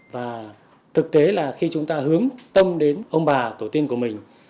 và thực tế là khi chúng ta hướng tâm đến ông bà tổ tiên của mình